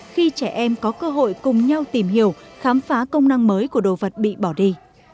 khi trẻ em có cơ hội cùng nhau tìm hiểu khám phá công năng mới của đồ vật bị bỏ đi